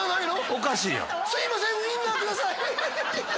おかしいやん「すいませんウインナーください！」